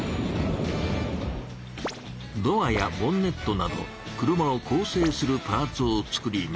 ドアやボンネットなど車をこう成するパーツを作ります。